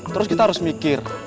terus kita harus mikir